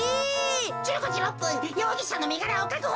１５じ６ぷんようぎしゃのみがらをかくほ。